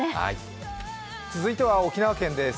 続いては沖縄県です。